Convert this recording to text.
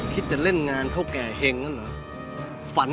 ถึงสวัสดีครับ